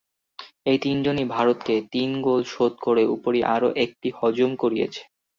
এই তিনজনই ভারতকে তিন গোল শোধ করে উপরি আরও একটি হজম করিয়েছে।